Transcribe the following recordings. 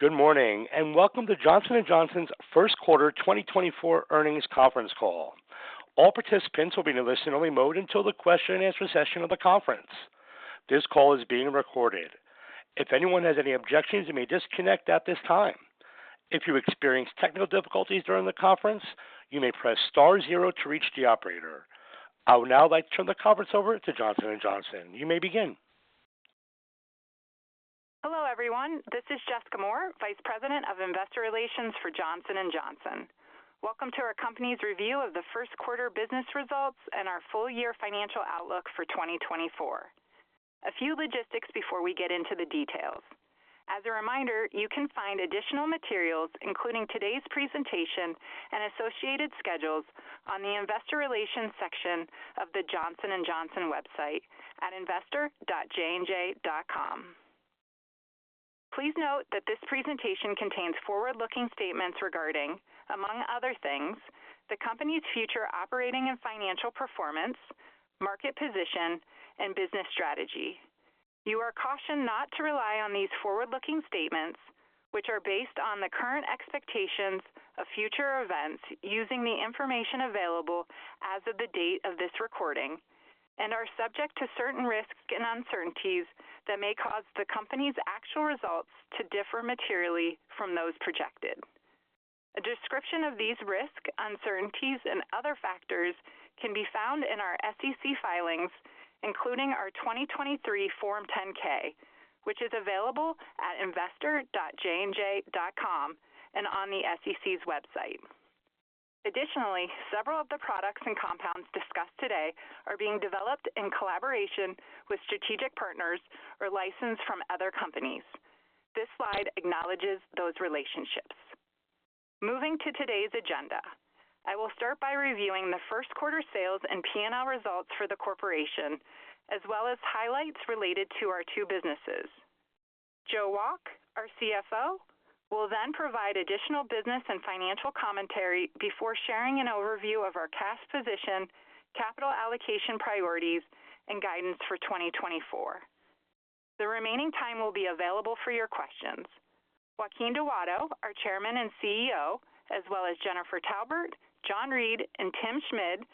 Good morning, and welcome to Johnson & Johnson's first quarter 2024 earnings conference call. All participants will be in a listen-only mode until the question and answer session of the conference. This call is being recorded. If anyone has any objections, you may disconnect at this time. If you experience technical difficulties during the conference, you may press star zero to reach the operator. I would now like to turn the conference over to Johnson & Johnson. You may begin. Hello, everyone. This is Jessica Moore, Vice President of Investor Relations for Johnson & Johnson. Welcome to our company's review of the first quarter business results and our full year financial outlook for 2024. A few logistics before we get into the details. As a reminder, you can find additional materials, including today's presentation and associated schedules, on the Investor Relations section of the Johnson & Johnson website at investor.jnj.com. Please note that this presentation contains forward-looking statements regarding, among other things, the company's future operating and financial performance, market position, and business strategy. You are cautioned not to rely on these forward-looking statements, which are based on the current expectations of future events using the information available as of the date of this recording and are subject to certain risks and uncertainties that may cause the company's actual results to differ materially from those projected. A description of these risks, uncertainties, and other factors can be found in our SEC filings, including our 2023 Form 10-K, which is available at investor.jnj.com and on the SEC's website. Additionally, several of the products and compounds discussed today are being developed in collaboration with strategic partners or licensed from other companies. This slide acknowledges those relationships. Moving to today's agenda, I will start by reviewing the first quarter sales and PNL results for the corporation, as well as highlights related to our two businesses. Joe Wolk, our CFO, will then provide additional business and financial commentary before sharing an overview of our cash position, capital allocation priorities, and guidance for 2024. The remaining time will be available for your questions. Joaquin Duato, our Chairman and CEO, as well as Jennifer Taubert, John Reed, and Tim Schmid,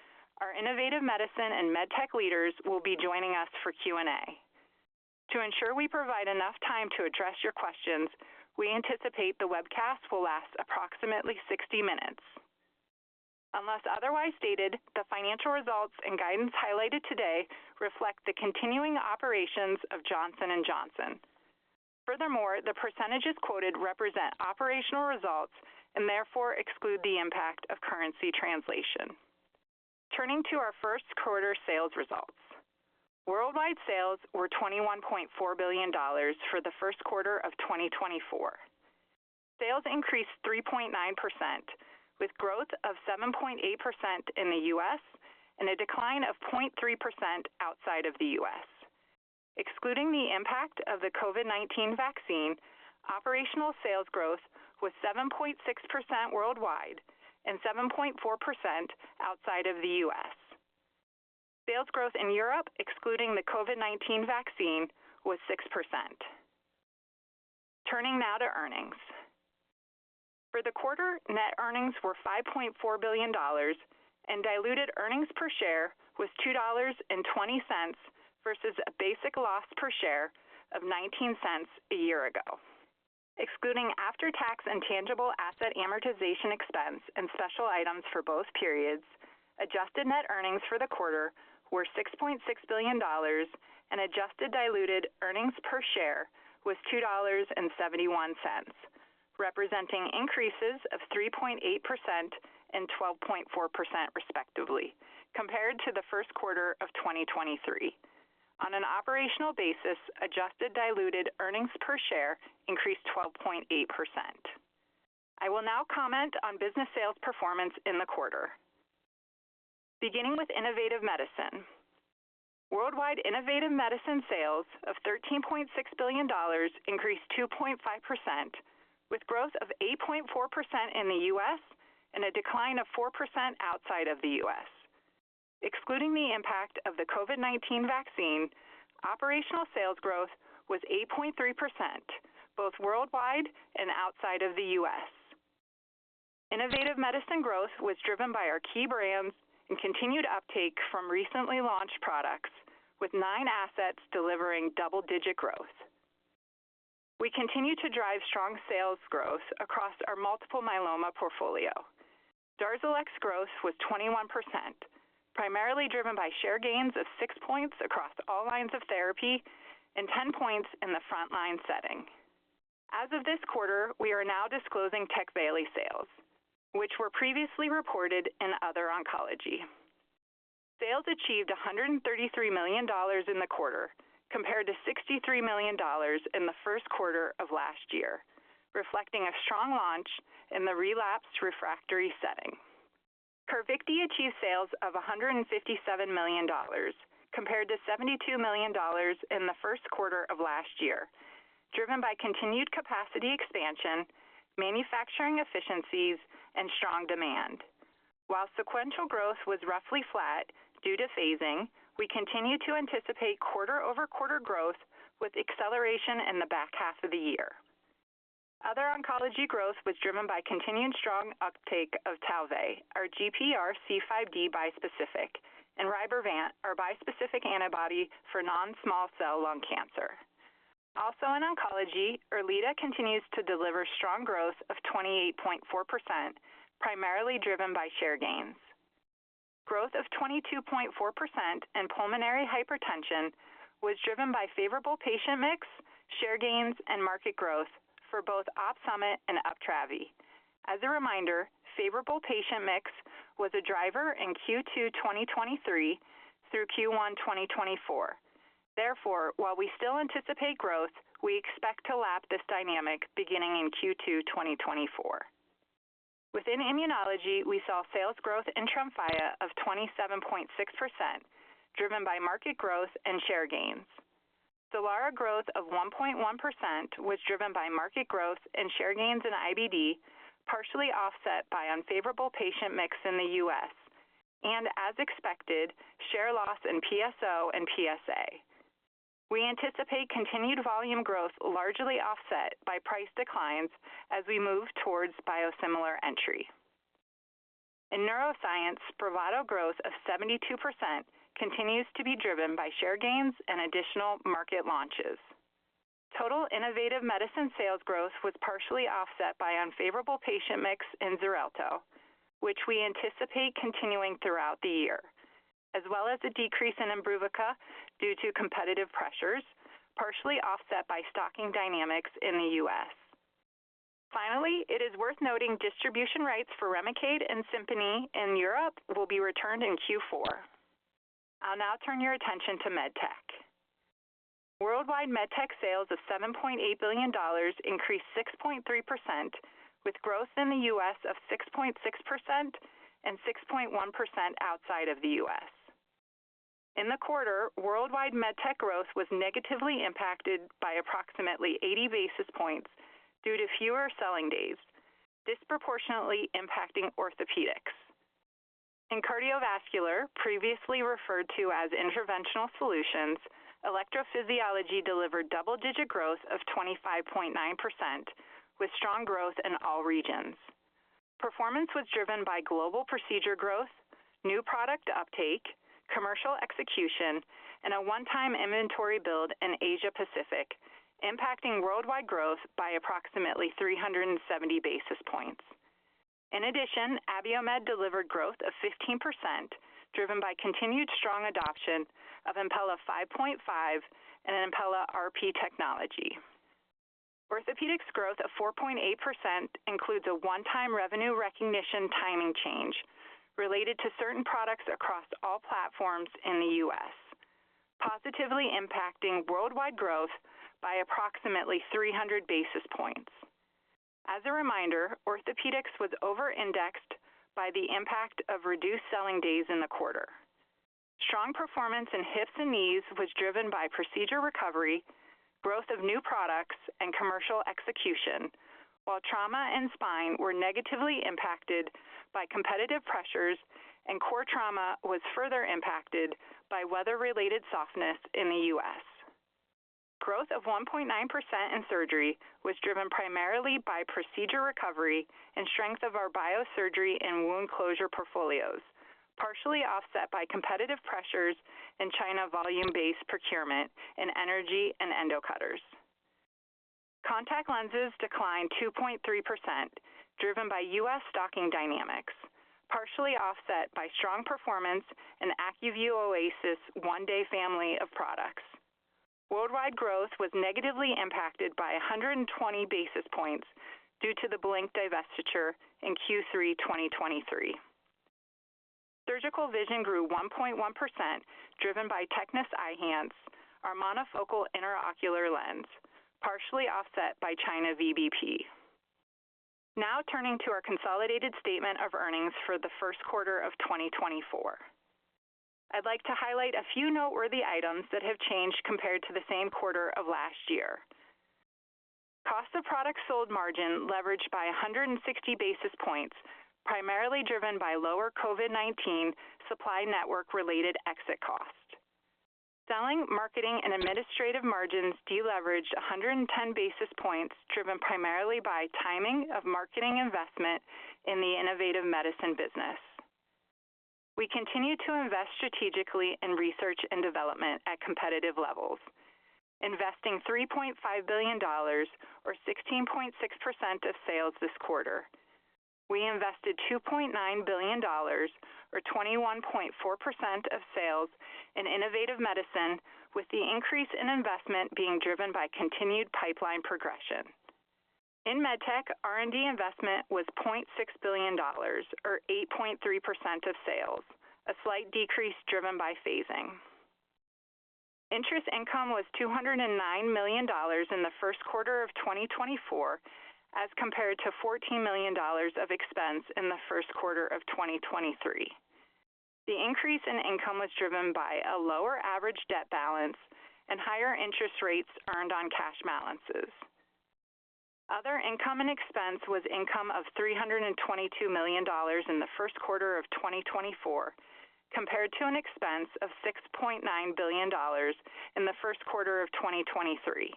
our Innovative Medicine and MedTech leaders, will be joining us for Q&A. To ensure we provide enough time to address your questions, we anticipate the webcast will last approximately 60 minutes. Unless otherwise stated, the financial results and guidance highlighted today reflect the continuing operations of Johnson & Johnson. Furthermore, the percentages quoted represent operational results and therefore exclude the impact of currency translation. Turning to our first quarter sales results. Worldwide sales were $21.4 billion for the first quarter of 2024. Sales increased 3.9%, with growth of 7.8% in the US and a decline of 0.3% outside of the US. Excluding the impact of the COVID-19 vaccine, operational sales growth was 7.6% worldwide and 7.4% outside of the US. Sales growth in Europe, excluding the COVID-19 vaccine, was 6%. Turning now to earnings. For the quarter, net earnings were $5.4 billion, and diluted earnings per share was $2.20 versus a basic loss per share of $0.19 a year ago. Excluding after-tax and tangible asset amortization expense and special items for both periods, adjusted net earnings for the quarter were $6.6 billion, and adjusted diluted earnings per share was $2.71, representing increases of 3.8% and 12.4%, respectively, compared to the first quarter of 2023. On an operational basis, adjusted diluted earnings per share increased 12.8%. I will now comment on business sales performance in the quarter. Beginning with Innovative Medicine. Worldwide Innovative Medicine sales of $13.6 billion increased 2.5%, with growth of 8.4% in the US and a decline of 4% outside of the US. Excluding the impact of the COVID-19 vaccine, operational sales growth was 8.3%, both worldwide and outside of the US. Innovative Medicine growth was driven by our key brands and continued uptake from recently launched products, with 9 assets delivering double-digit growth. We continue to drive strong sales growth across our multiple myeloma portfolio. DARZALEX growth was 21%, primarily driven by share gains of 6 points across all lines of therapy and 10 points in the front-line setting. As of this quarter, we are now disclosing TECVAYLI sales, which were previously reported in other oncology. Sales achieved $133 million in the quarter, compared to $63 million in the first quarter of last year, reflecting a strong launch in the relapsed refractory setting. CARVYKTI achieved sales of $157 million, compared to $72 million in the first quarter of last year, driven by continued capacity expansion, manufacturing efficiencies and strong demand. While sequential growth was roughly flat due to phasing, we continue to anticipate quarter-over-quarter growth with acceleration in the back half of the year. Other oncology growth was driven by continued strong uptake of TALVEY, our GPRC5D bispecific, and RYBREVANT, our bispecific antibody for non-small cell lung cancer. Also in oncology, ERLEADA continues to deliver strong growth of 28.4%, primarily driven by share gains. Growth of 22.4% in pulmonary hypertension was driven by favorable patient mix, share gains, and market growth for both OPSUMIT and UPTRAVI. As a reminder, favorable patient mix was a driver in Q2 2023 through Q1 2024. Therefore, while we still anticipate growth, we expect to lap this dynamic beginning in Q2 2024. Within immunology, we saw sales growth in TREMFYA of 27.6%, driven by market growth and share gains. STELARA growth of 1.1% was driven by market growth and share gains in IBD, partially offset by unfavorable patient mix in the U.S., and as expected, share loss in PSO and PSA. We anticipate continued volume growth, largely offset by price declines as we move towards biosimilar entry. In neuroscience, Spravato growth of 72% continues to be driven by share gains and additional market launches. Total Innovative Medicine sales growth was partially offset by unfavorable patient mix in XARELTO, which we anticipate continuing throughout the year, as well as a decrease in IMBRUVICA due to competitive pressures, partially offset by stocking dynamics in the U.S. Finally, it is worth noting distribution rights for REMICADE and SIMPONI in Europe will be returned in Q4. I'll now turn your attention to MedTech. Worldwide MedTech sales of $7.8 billion increased 6.3%, with growth in the U.S. of 6.6% and 6.1% outside of the U.S. In the quarter, worldwide MedTech growth was negatively impacted by approximately 80 basis points due to fewer selling days, disproportionately impacting orthopedics. In cardiovascular, previously referred to as interventional solutions, electrophysiology delivered double-digit growth of 25.9%, with strong growth in all regions. Performance was driven by global procedure growth, new product uptake, commercial execution, and a one-time inventory build in Asia Pacific, impacting worldwide growth by approximately 370 basis points. In addition, Abiomed delivered growth of 15%, driven by continued strong adoption of Impella 5.5 and Impella RP technology. Orthopedics growth of 4.8% includes a one-time revenue recognition timing change related to certain products across all platforms in the US, positively impacting worldwide growth by approximately 300 basis points. As a reminder, orthopedics was over-indexed by the impact of reduced selling days in the quarter. Strong performance in hips and knees was driven by procedure recovery, growth of new products, and commercial execution, while trauma and spine were negatively impacted by competitive pressures, and core trauma was further impacted by weather-related softness in the US. Growth of 1.9% in surgery was driven primarily by procedure recovery and strength of our biosurgery and wound closure portfolios, partially offset by competitive pressures in China volume-based procurement in energy and endo cutters. Contact lenses declined 2.3%, driven by US stocking dynamics, partially offset by strong performance in ACUVUE OASYS 1-Day family of products. Worldwide growth was negatively impacted by 120 basis points due to the Blink divestiture in Q3 2023. Surgical vision grew 1.1%, driven by TECNIS Eyhance, our monofocal intraocular lens, partially offset by China VBP. Now turning to our consolidated statement of earnings for the first quarter of 2024. I'd like to highlight a few noteworthy items that have changed compared to the same quarter of last year. Cost of product sold margin leveraged by 160 basis points, primarily driven by lower COVID-19 supply network-related exit costs. Selling, marketing, and administrative margins deleveraged 110 basis points, driven primarily by timing of marketing investment in the Innovative Medicine business. We continue to invest strategically in research and development at competitive levels, investing $3.5 billion or 16.6% of sales this quarter. We invested $2.9 billion or 21.4% of sales in Innovative Medicine, with the increase in investment being driven by continued pipeline progression. In MedTech, R&D investment was $0.6 billion or 8.3% of sales, a slight decrease driven by phasing. Interest income was $209 million in the first quarter of 2024, as compared to $14 million of expense in the first quarter of 2023. The increase in income was driven by a lower average debt balance and higher interest rates earned on cash balances. Other income and expense was income of $322 million in the first quarter of 2024, compared to an expense of $6.9 billion in the first quarter of 2023.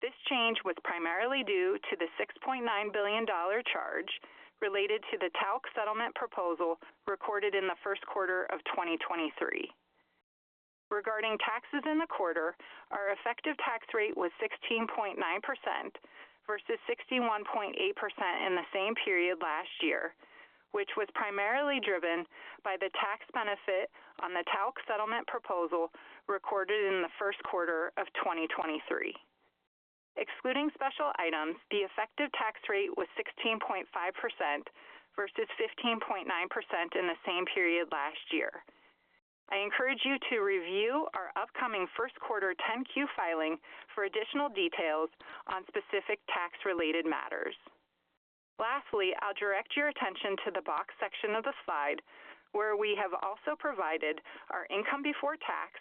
This change was primarily due to the $6.9 billion charge related to the TALC settlement proposal recorded in the first quarter of 2023. Regarding taxes in the quarter, our effective tax rate was 16.9% versus 61.8% in the same period last year, which was primarily driven by the tax benefit on the TALC settlement proposal recorded in the first quarter of 2023. Excluding special items, the effective tax rate was 16.5% versus 15.9% in the same period last year. I encourage you to review our upcoming first quarter 10-Q filing for additional details on specific tax-related matters. Lastly, I'll direct your attention to the box section of the slide, where we have also provided our income before tax,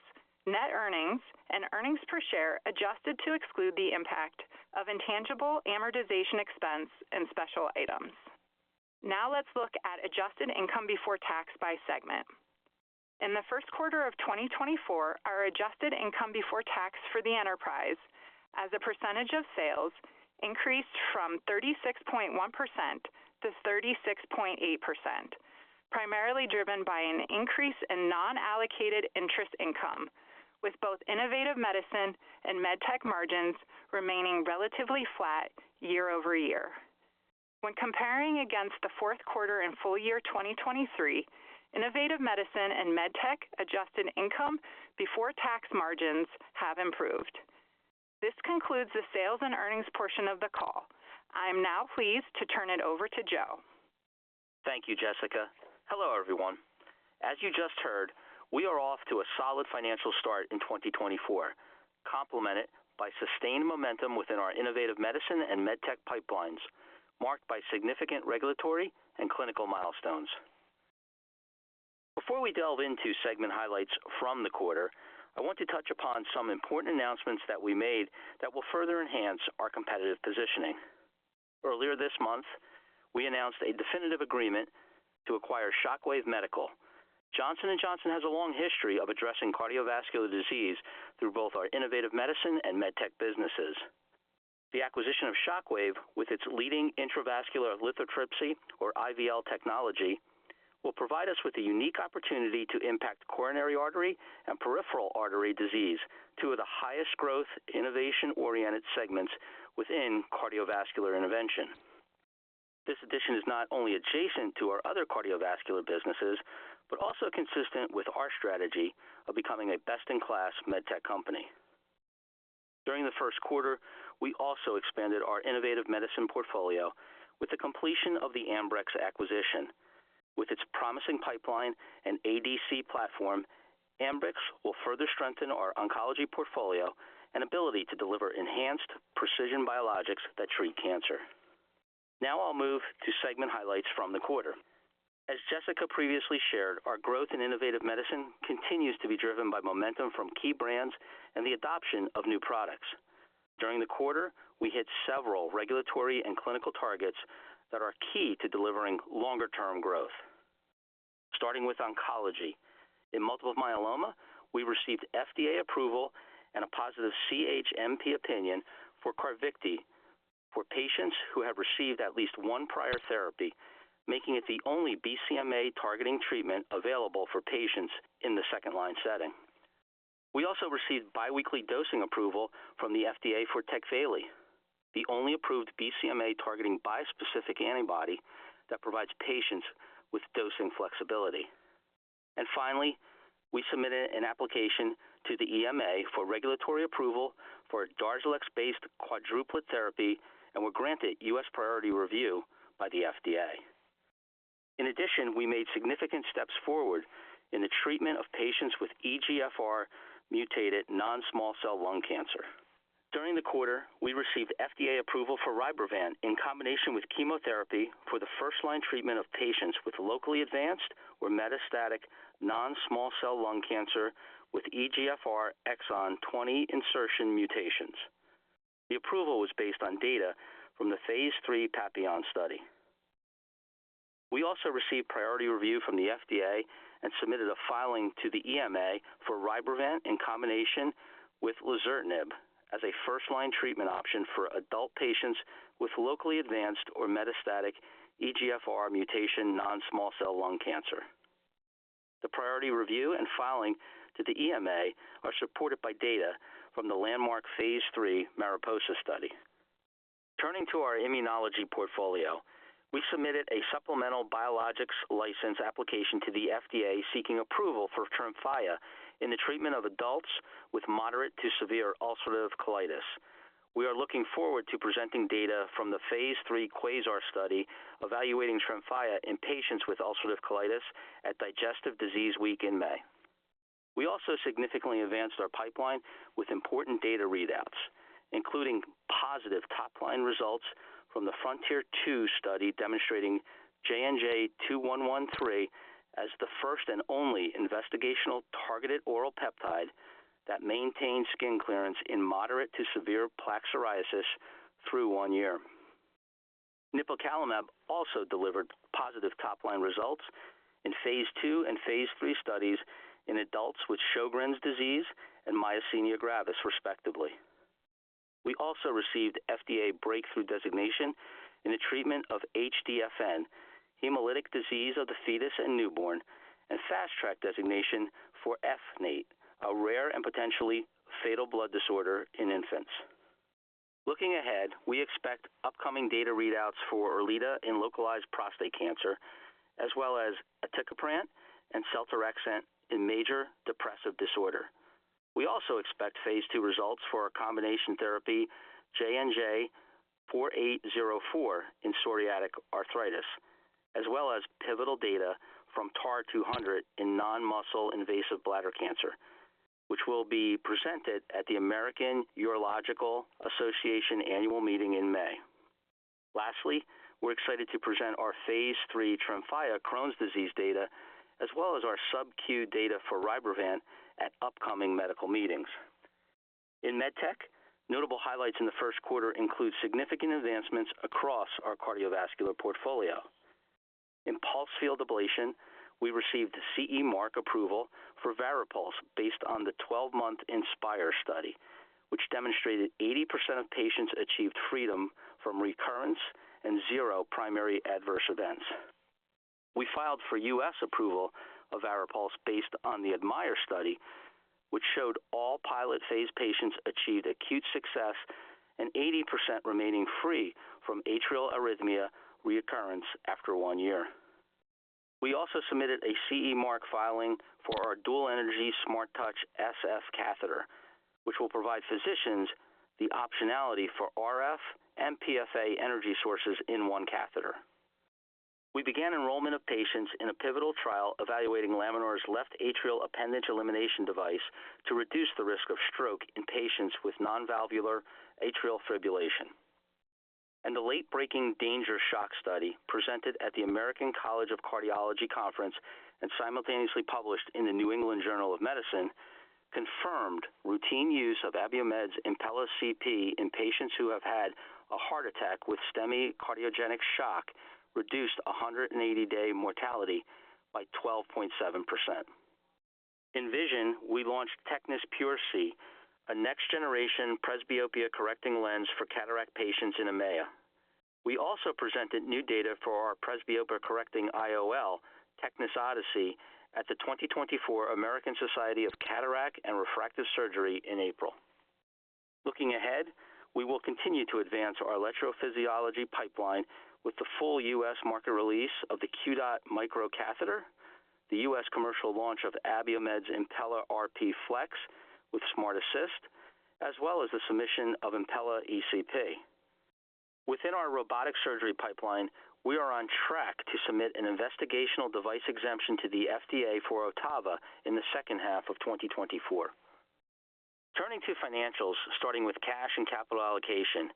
net earnings, and earnings per share, adjusted to exclude the impact of intangible amortization expense and special items. Now let's look at adjusted income before tax by segment. In the first quarter of 2024, our adjusted income before tax for the enterprise as a percentage of sales increased from 36.1% to 36.8%, primarily driven by an increase in non-allocated interest income, with both Innovative Medicine and MedTech margins remaining relatively flat year over year. When comparing against the fourth quarter and full year 2023, Innovative Medicine and MedTech adjusted income before tax margins have improved. This concludes the sales and earnings portion of the call. I am now pleased to turn it over to Joseph. Thank you, Jessica. Hello, everyone. As you just heard, we are off to a solid financial start in 2024, complemented by sustained momentum within our Innovative Medicine and MedTech pipelines, marked by significant regulatory and clinical milestones. Before we delve into segment highlights from the quarter, I want to touch upon some important announcements that we made that will further enhance our competitive positioning. Earlier this month, we announced a definitive agreement to acquire Shockwave Medical. Johnson & Johnson has a long history of addressing cardiovascular disease through both our Innovative Medicine and MedTech businesses. The acquisition of Shockwave, with its leading intravascular lithotripsy, or IVL technology, will provide us with the unique opportunity to impact coronary artery and peripheral artery disease, two of the highest growth, innovation-oriented segments within cardiovascular intervention. This addition is not only adjacent to our other cardiovascular businesses, but also consistent with our strategy of becoming a best-in-class MedTech company. During the first quarter, we also expanded our Innovative Medicine portfolio with the completion of the Ambrx acquisition. With its promising pipeline and ADC platform, Ambrx will further strengthen our oncology portfolio and ability to deliver enhanced precision biologics that treat cancer. Now I'll move to segment highlights from the quarter. As Jessica previously shared, our growth in Innovative Medicine continues to be driven by momentum from key brands and the adoption of new products. During the quarter, we hit several regulatory and clinical targets that are key to delivering longer-term growth. Starting with oncology, in multiple myeloma, we received FDA approval and a positive CHMP opinion for CARVYKTI for patients who have received at least one prior therapy, making it the only BCMA-targeting treatment available for patients in the second-line setting. We also received biweekly dosing approval from the FDA for TECVAYLI, the only approved BCMA-targeting bispecific antibody that provides patients with dosing flexibility. Finally, we submitted an application to the EMA for regulatory approval for a DARZALEX-based quadruplet therapy and were granted US priority review by the FDA. In addition, we made significant steps forward in the treatment of patients with EGFR mutated non-small cell lung cancer. During the quarter, we received FDA approval for RYBREVANT in combination with chemotherapy for the first-line treatment of patients with locally advanced or metastatic non-small cell lung cancer with EGFR exon 20 insertion mutations. The approval was based on data from the phase 3 Papillon study. We also received priority review from the FDA and submitted a filing to the EMA for RYBREVANT in combination with lazertinib as a first-line treatment option for adult patients with locally advanced or metastatic EGFR mutation non-small cell lung cancer. The priority review and filing to the EMA are supported by data from the landmark phase 3 Mariposa study. Turning to our immunology portfolio, we submitted a supplemental biologics license application to the FDA seeking approval for TREMFYA in the treatment of adults with moderate to severe ulcerative colitis. We are looking forward to presenting data from the phase 3 Quasar study evaluating TREMFYA in patients with ulcerative colitis at Digestive Disease Week in May. We also significantly advanced our pipeline with important data readouts, including positive top-line results from the Frontier-2 study, demonstrating JNJ-2113 as the first and only investigational targeted oral peptide that maintains skin clearance in moderate to severe plaque psoriasis through one year. Nipocalimab also delivered positive top-line results in phase II and phase III studies in adults with Sjögren's disease and myasthenia gravis, respectively. We also received FDA breakthrough designation in the treatment of HDFN, hemolytic disease of the fetus and newborn, and Fast Track designation for FNAIT, a rare and potentially fatal blood disorder in infants. Looking ahead, we expect upcoming data readouts for ERLEADA in localized prostate cancer, as well as aticaprant and seltorexant in major depressive disorder. We also expect phase II results for our combination therapy, JNJ-4804, in psoriatic arthritis, as well as pivotal data from TAR-200 in non-muscle invasive bladder cancer, which will be presented at the American Urological Association annual meeting in May. Lastly, we're excited to present our phase III TREMFYA Crohn's disease data, as well as our subQ data for RYBREVANT at upcoming medical meetings. In MedTech, notable highlights in the first quarter include significant advancements across our cardiovascular portfolio. In pulse field ablation, we received CE mark approval for VARIPULSE based on the 12-month INSPIRE study, which demonstrated 80% of patients achieved freedom from recurrence and 0 primary adverse events. We filed for U.S. approval of VARIPULSE based on the ADMIRE study, which showed all pilot phase patients achieved acute success and 80% remaining free from atrial arrhythmia reoccurrence after one year. We also submitted a CE mark filing for our dual energy SmartTouch SF catheter, which will provide physicians the optionality for RF and PFA energy sources in one catheter. We began enrollment of patients in a pivotal trial evaluating Laminar's left atrial appendage elimination device to reduce the risk of stroke in patients with non-valvular atrial fibrillation. The late-breaking DANGER-SHOCK study, presented at the American College of Cardiology conference and simultaneously published in the New England Journal of Medicine, confirmed routine use of Abiomed's Impella CP in patients who have had a heart attack with STEMI cardiogenic shock, reduced 180-day mortality by 12.7%. In Vision, we launched Tecnis PureSee, a next-generation presbyopia-correcting lens for cataract patients in EMEA. We also presented new data for our presbyopia-correcting IOL, Tecnis Odyssey, at the 2024 American Society of Cataract and Refractive Surgery in April. Looking ahead, we will continue to advance our electrophysiology pipeline with the full U.S. market release of the QDOT MICRO catheter, the U.S. commercial launch of Abiomed's Impella RP Flex with SmartAssist, as well as the submission of Impella ECP. Within our robotic surgery pipeline, we are on track to submit an investigational device exemption to the FDA for OTTAVA in the second half of 2024. Turning to financials, starting with cash and capital allocation,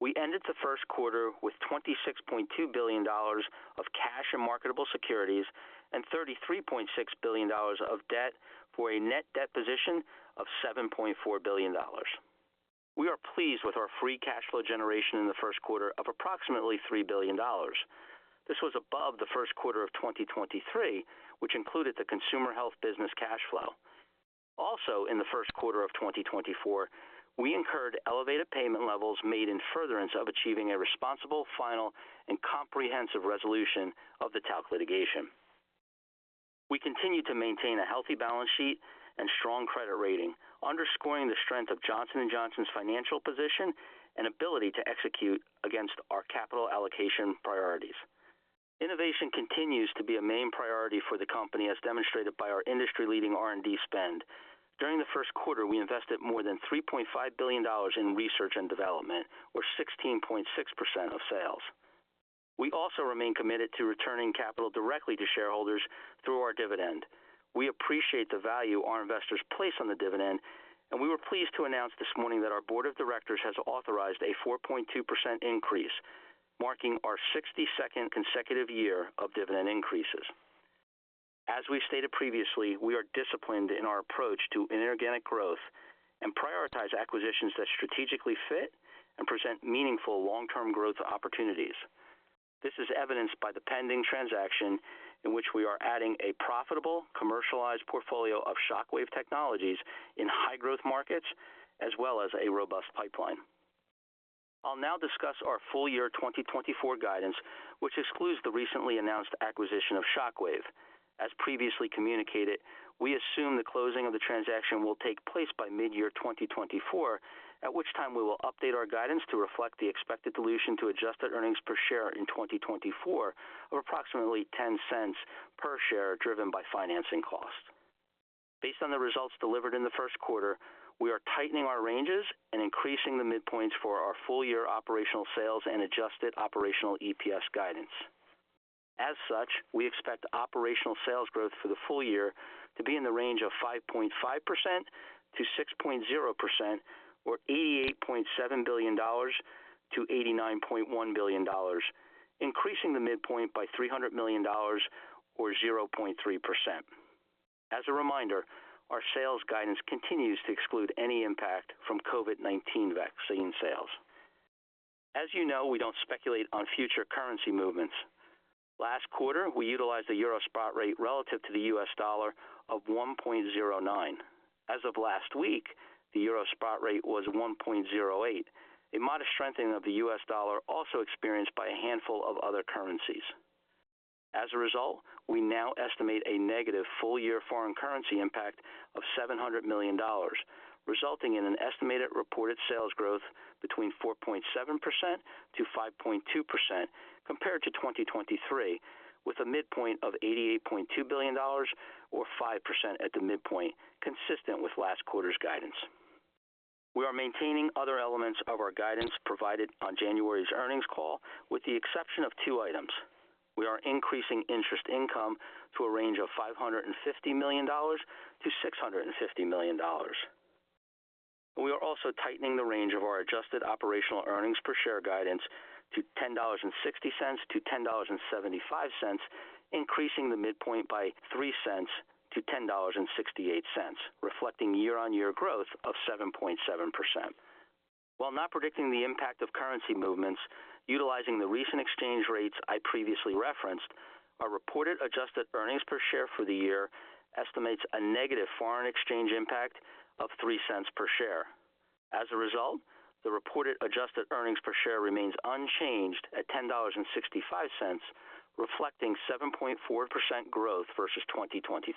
we ended the first quarter with $26.2 billion of cash and marketable securities and $33.6 billion of debt, for a net debt position of $7.4 billion. We are pleased with our free cash flow generation in the first quarter of approximately $3 billion. This was above the first quarter of 2023, which included the consumer health business cash flow. Also, in the first quarter of 2024, we incurred elevated payment levels made in furtherance of achieving a responsible, final, and comprehensive resolution of the talc litigation. We continue to maintain a healthy balance sheet and strong credit rating, underscoring the strength of Johnson & Johnson's financial position and ability to execute against our capital allocation priorities. Innovation continues to be a main priority for the company, as demonstrated by our industry-leading R&D spend. During the first quarter, we invested more than $3.5 billion in research and development, or 16.6% of sales. We also remain committed to returning capital directly to shareholders through our dividend. We appreciate the value our investors place on the dividend, and we were pleased to announce this morning that our board of directors has authorized a 4.2% increase, marking our 62nd consecutive year of dividend increases. As we stated previously, we are disciplined in our approach to inorganic growth and prioritize acquisitions that strategically fit and present meaningful long-term growth opportunities. This is evidenced by the pending transaction in which we are adding a profitable, commercialized portfolio of Shockwave Medical in high-growth markets, as well as a robust pipeline. I'll now discuss our full year 2024 guidance, which excludes the recently announced acquisition of Shockwave Medical. As previously communicated, we assume the closing of the transaction will take place by mid-year 2024, at which time we will update our guidance to reflect the expected dilution to adjusted earnings per share in 2024 of approximately $0.10 per share, driven by financing costs. Based on the results delivered in the first quarter, we are tightening our ranges and increasing the midpoints for our full-year operational sales and adjusted operational EPS guidance. As such, we expect operational sales growth for the full year to be in the range of 5.5%-6.0%, or $88.7 billion-$89.1 billion, increasing the midpoint by $300 million or 0.3%. As a reminder, our sales guidance continues to exclude any impact from COVID-19 vaccine sales. As you know, we don't speculate on future currency movements. Last quarter, we utilized a euro spot rate relative to the US dollar of 1.09. As of last week, the euro spot rate was 1.08, a modest strengthening of the US dollar, also experienced by a handful of other currencies. As a result, we now estimate a negative full-year foreign currency impact of $700 million, resulting in an estimated reported sales growth between 4.7%-5.2% compared to 2023, with a midpoint of $88.2 billion or 5% at the midpoint, consistent with last quarter's guidance. We are maintaining other elements of our guidance provided on January's earnings call, with the exception of two items. We are increasing interest income to a range of $550 million-$650 million. We are also tightening the range of our adjusted operational earnings per share guidance to $10.60-$10.75, increasing the midpoint by 3 cents to $10.68, reflecting year-on-year growth of 7.7%. While not predicting the impact of currency movements, utilizing the recent exchange rates I previously referenced, our reported adjusted earnings per share for the year estimates a negative foreign exchange impact of $0.03 per share. As a result, the reported adjusted earnings per share remains unchanged at $10.65, reflecting 7.4% growth versus 2023.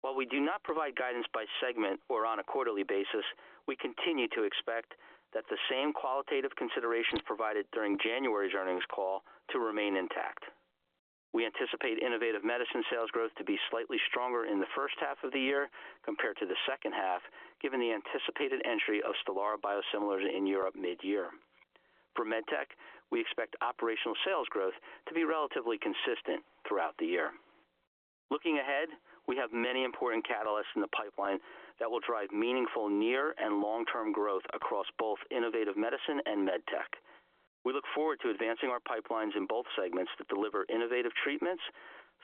While we do not provide guidance by segment or on a quarterly basis, we continue to expect that the same qualitative considerations provided during January's earnings call to remain intact. We anticipate Innovative Medicine sales growth to be slightly stronger in the first half of the year compared to the second half, given the anticipated entry of STELARA biosimilars in Europe mid-year. For MedTech, we expect operational sales growth to be relatively consistent throughout the year. Looking ahead, we have many important catalysts in the pipeline that will drive meaningful near and long-term growth across both innovative medicine and MedTech. We look forward to advancing our pipelines in both segments that deliver innovative treatments,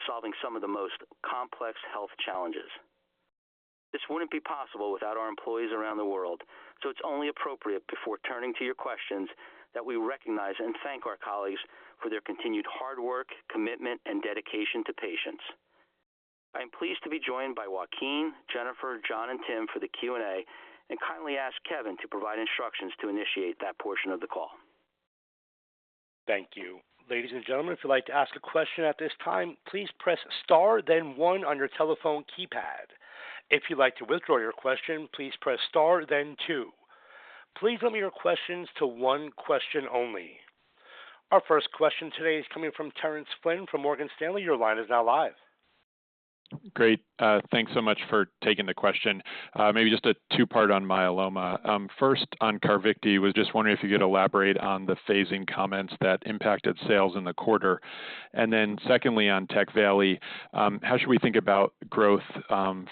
solving some of the most complex health challenges. This wouldn't be possible without our employees around the world, so it's only appropriate, before turning to your questions, that we recognize and thank our colleagues for their continued hard work, commitment, and dedication to patients. I am pleased to be joined by Joaquin, Jennifer, John, and Tim for the Q&A, and kindly ask Kevin to provide instructions to initiate that portion of the call. Thank you. Ladies and gentlemen, if you'd like to ask a question at this time, please press star, then one on your telephone keypad. If you'd like to withdraw your question, please press star, then two. Please limit your questions to one question only. Our first question today is coming from Terence Flynn from Morgan Stanley. Your line is now live. Great. Thanks so much for taking the question. Maybe just a two-part on myeloma. First, on CARVYKTI, was just wondering if you could elaborate on the phasing comments that impacted sales in the quarter. And then secondly, on TECVAYLI, how should we think about growth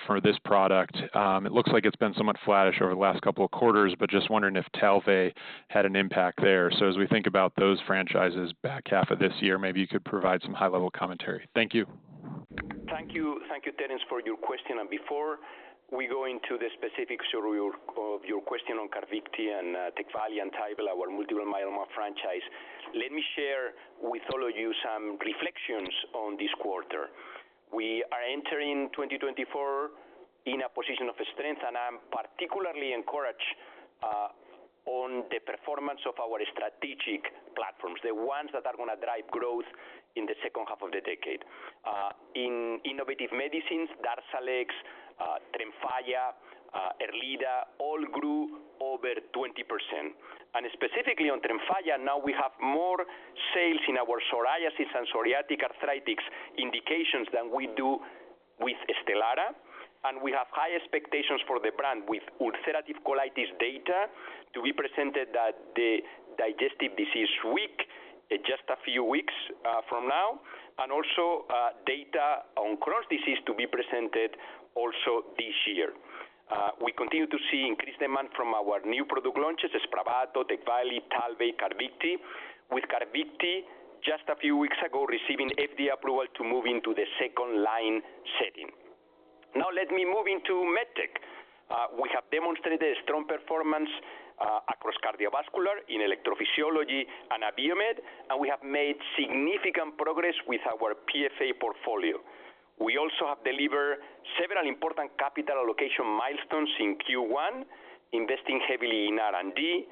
for this product? It looks like it's been somewhat flattish over the last couple of quarters, but just wondering if TALVEY had an impact there. So as we think about those franchises back half of this year, maybe you could provide some high-level commentary. Thank you. Thank you. Thank you, Terence, for your question. Before we go into the specifics of your question on CARVYKTI and TECVAYLI and TALVEY, our multiple myeloma franchise, let me share with all of you some reflections on this quarter. We are entering 2024 in a position of strength, and I'm particularly encouraged on the performance of our strategic platforms, the ones that are gonna drive growth in the second half of the decade. In Innovative Medicine, DARZALEX, TREMFYA, ERLEADA all grew over 20%. Specifically on TREMFYA, now we have more sales in our psoriasis and psoriatic arthritis indications than we do with STELARA, and we have high expectations for the brand with ulcerative colitis data to be presented at the Digestive Disease Week in just a few weeks from now, and also data on Crohn's disease to be presented also this year. We continue to see increased demand from our new product launches, SPRAVATO, TECVAYLI, TALVEY, CARVYKTI, with CARVYKTI just a few weeks ago receiving FDA approval to move into the second-line setting. Now let me move into MedTech. We have demonstrated a strong performance across cardiovascular, in electrophysiology and Abiomed, and we have made significant progress with our PFA portfolio. We also have delivered several important capital allocation milestones in Q1, investing heavily in R&D,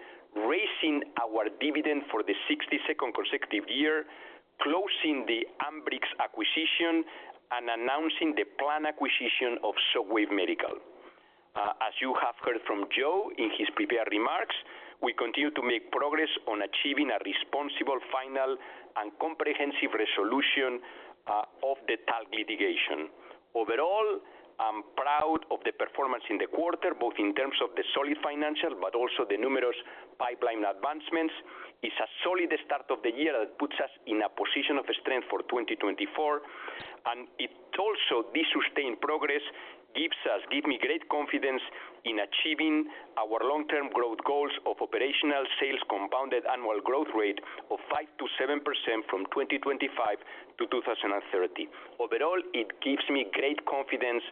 raising our dividend for the 62nd consecutive year, closing the Ambrx acquisition, and announcing the planned acquisition of Shockwave Medical. As you have heard from Joe in his prepared remarks, we continue to make progress on achieving a responsible, final, and comprehensive resolution of the talc litigation. Overall, I'm proud of the performance in the quarter, both in terms of the solid financial, but also the numerous pipeline advancements. It's a solid start of the year that puts us in a position of strength for 2024, and it also, this sustained progress gives me great confidence in achieving our long-term growth goals of operational sales compounded annual growth rate of 5%-7% from 2025 to 2030. Overall, it gives me great confidence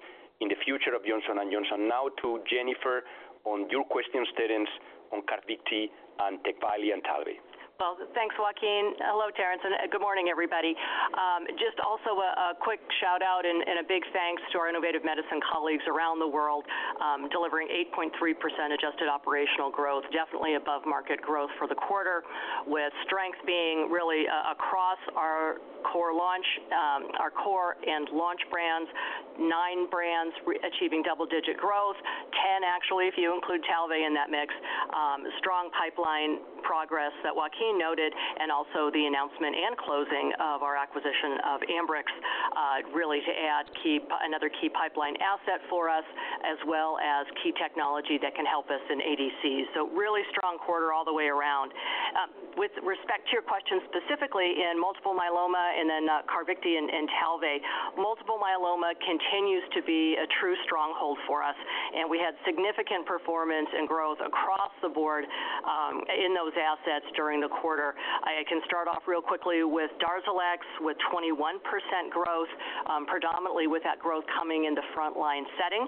in the future of Johnson & Johnson. Now to Jennifer on your question, Terence, on CARVYKTI and TECVAYLI and TALVEY. Well, thanks, Joaquin. Hello, Terence, and good morning, everybody. Just also a quick shout-out and a big thanks to our innovative medicine colleagues around the world, delivering 8.3% adjusted operational growth, definitely above market growth for the quarter, with strength being really across our core launch, our core and launch brands, nine brands achieving double-digit growth. 10, actually, if you include TALVEY in that mix, strong pipeline progress that Joaquin noted, and also the announcement and closing of our acquisition of Ambrx, really to add another key pipeline asset for us, as well as key technology that can help us in ADCs. So really strong quarter all the way around. With respect to your question, specifically in multiple myeloma and then CARVYKTI and TALVEY, multiple myeloma continues to be a true stronghold for us, and we had significant performance and growth across the board in those assets during the quarter. I can start off real quickly with DARZALEX, with 21% growth, predominantly with that growth coming in the frontline setting.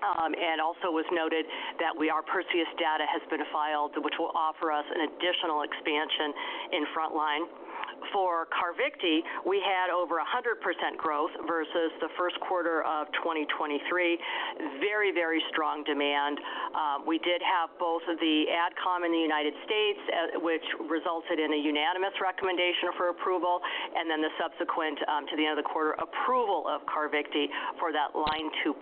And also was noted that we, our Perseus data has been filed, which will offer us an additional expansion in frontline. For CARVYKTI, we had over 100% growth versus the first quarter of 2023. Very, very strong demand. We did have both the adcom in the United States, which resulted in a unanimous recommendation for approval, and then the subsequent, to the end of the quarter, approval of CARVYKTI for that line 2+,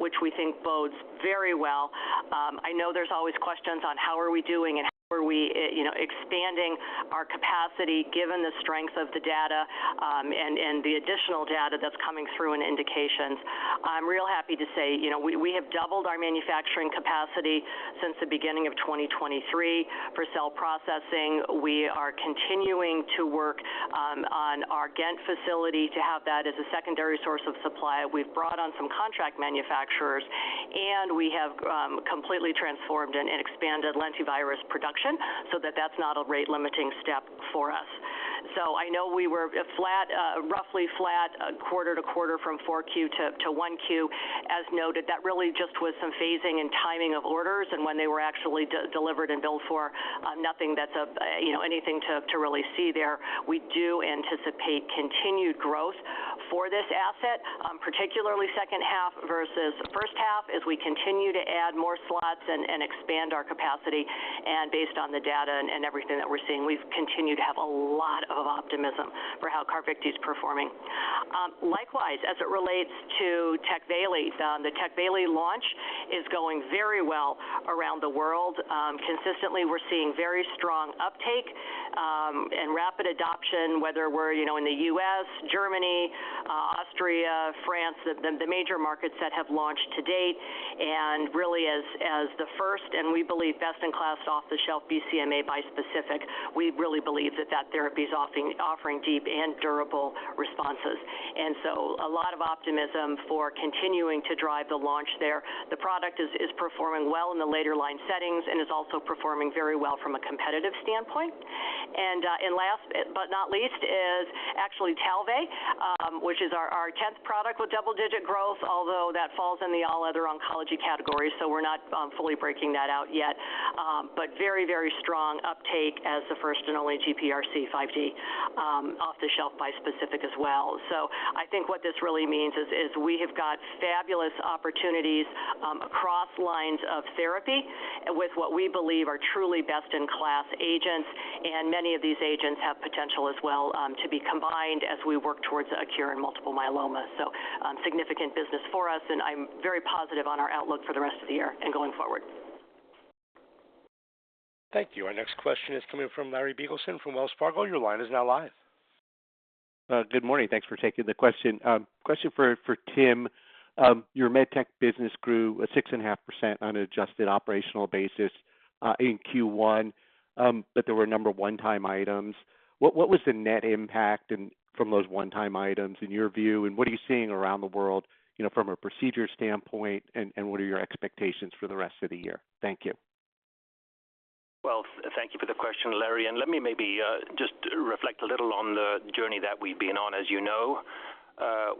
which we think bodes very well. I know there's always questions on how are we doing and how are we, you know, expanding our capacity given the strength of the data, and, and the additional data that's coming through in indications. I'm real happy to say, you know, we, we have doubled our manufacturing capacity since the beginning of 2023 for cell processing. We are continuing to work, on our Ghent facility to have that as a secondary source of supply. We've brought on some contract manufacturers, and we have completely transformed and expanded lentivirus production so that that's not a rate-limiting step for us. So I know we were flat, roughly flat quarter to quarter from four Q to one Q. As noted, that really just was some phasing and timing of orders and when they were actually delivered and billed for, nothing that's of you know anything to really see there. We do anticipate continued growth for this asset, particularly second half versus first half, as we continue to add more slots and expand our capacity. And based on the data and everything that we're seeing, we've continued to have a lot of optimism for how CARVYKTI is performing. Likewise, as it relates to TECVAYLI, the TECVAYLI launch is going very well around the world. Consistently, we're seeing very strong uptake and rapid adoption, whether we're, you know, in the US, Germany, Austria, France, the major markets that have launched to date. And really, as the first, and we believe, best-in-class off-the-shelf BCMA bispecific, we really believe that that therapy is offering deep and durable responses. And so a lot of optimism for continuing to drive the launch there. The product is performing well in the later line settings and is also performing very well from a competitive standpoint. And last but not least is actually TALVEY, which is our tenth product with double-digit growth, although that falls in the all other oncology category, so we're not fully breaking that out yet. But very, very strong uptake as the first and only GPRC5D off-the-shelf bispecific as well. So I think what this really means is, we have got fabulous opportunities, across lines of therapy with what we believe are truly best-in-class agents, and many of these agents have potential as well, to be combined as we work towards a cure in multiple myeloma. So, significant business for us, and I'm very positive on our outlook for the rest of the year and going forward. Thank you. Our next question is coming from Lawrence Biegelsen from Wells Fargo. Your line is now live. Good morning. Thanks for taking the question. Question for Tim. Your MedTech business grew at 6.5% on an adjusted operational basis in Q1, but there were a number of one-time items. What was the net impact and from those one-time items in your view, and what are you seeing around the world, you know, from a procedure standpoint, and what are your expectations for the rest of the year? Thank you. Well, thank you for the question, Larry, and let me maybe just reflect a little on the journey that we've been on. As you know,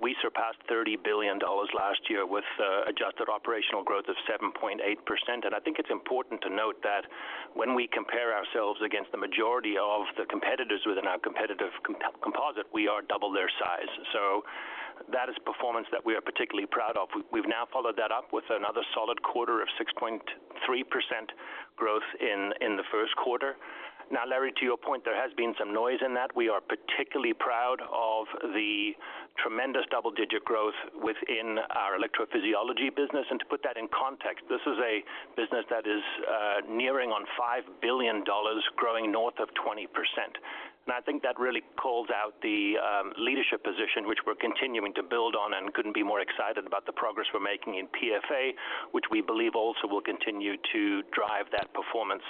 we surpassed $30 billion last year with adjusted operational growth of 7.8%. I think it's important to note that when we compare ourselves against the majority of the competitors within our competitive composite, we are double their size. So that is performance that we are particularly proud of. We've now followed that up with another solid quarter of 6.3% growth in the first quarter. Now, Larry, to your point, there has been some noise in that. We are particularly proud of the tremendous double-digit growth within our electrophysiology business. To put that in context, this is a business that is nearing on $5 billion, growing north of 20%. And I think that really calls out the leadership position, which we're continuing to build on and couldn't be more excited about the progress we're making in PFA, which we believe also will continue to drive that performance.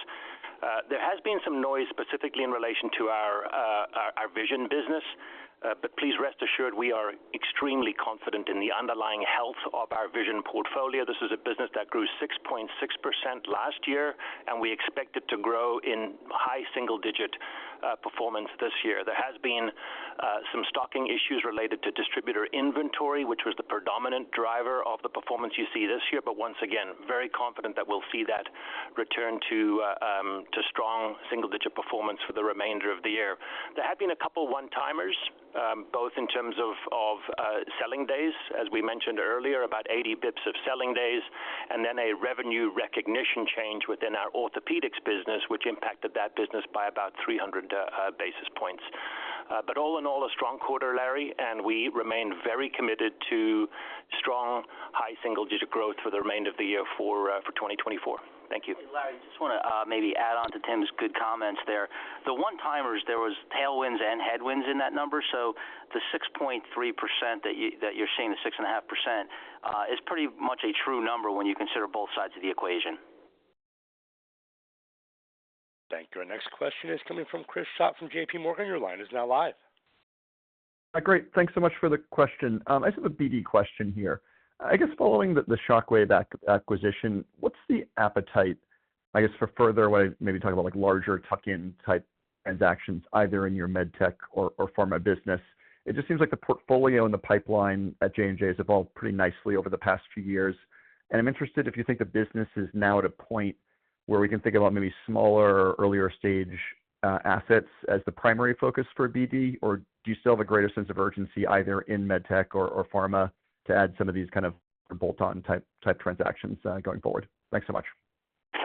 There has been some noise, specifically in relation to our vision business. But please rest assured, we are extremely confident in the underlying health of our vision portfolio. This is a business that grew 6.6% last year, and we expect it to grow in high single-digit performance this year. There has been some stocking issues related to distributor inventory, which was the predominant driver of the performance you see this year, but once again, very confident that we'll see that return to strong single-digit performance for the remainder of the year. There have been a couple one-timers, both in terms of selling days, as we mentioned earlier, about 80 basis points of selling days, and then a revenue recognition change within our orthopedics business, which impacted that business by about 300 basis points. But all in all, a strong quarter, Larry, and we remain very committed to strong high single-digit growth for the remainder of the year for 2024. Thank you. Larry, I just wanna maybe add on to Tim's good comments there. The one-timers, there was tailwinds and headwinds in that number, so the 6.3% that you, that you're seeing, the 6.5%, is pretty much a true number when you consider both sides of the equation. Thank you. Our next question is coming from Christopher Schott from JPMorgan. Your line is now live. Great. Thanks so much for the question. I just have a BD question here. I guess following the Shockwave acquisition, what's the appetite, I guess, for further when maybe talking about, like, larger tuck-in type transactions, either in your med tech or pharma business? It just seems like the portfolio and the pipeline at J&J has evolved pretty nicely over the past few years, and I'm interested if you think the business is now at a point where we can think about maybe smaller or earlier stage assets as the primary focus for BD, or do you still have a greater sense of urgency, either in med tech or pharma, to add some of these kind of bolt-on type transactions going forward? Thanks so much.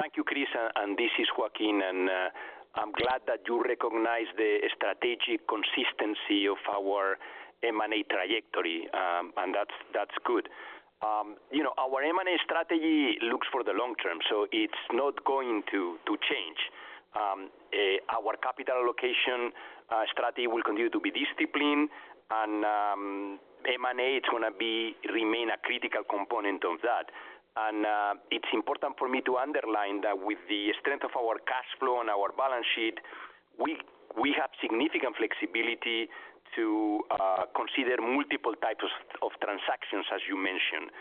Thank you, Christopher, and this is Joaquin, and I'm glad that you recognize the strategic consistency of our M&A trajectory, and that's good. You know, our M&A strategy looks for the long term, so it's not going to change. Our capital allocation strategy will continue to be disciplined, and M&A, it's gonna remain a critical component of that. And it's important for me to underline that with the strength of our cash flow and our balance sheet, we have significant flexibility to consider multiple types of transactions, as you mentioned.